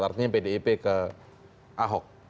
artinya pdip ke ahok